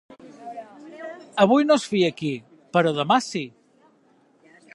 Avui no es fia, aquí; però demà, sí.